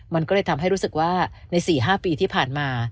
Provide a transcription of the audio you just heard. มันก็เลยทำให้รู้สึกว่าใน๔๕ปีที่ผ่านมา